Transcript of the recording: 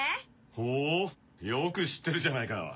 ほよく知ってるじゃないか。